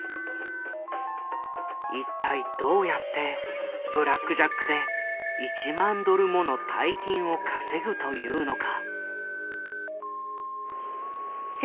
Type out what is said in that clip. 一体どうやってブラックジャックで１万ドルもの大金を稼ぐというのか？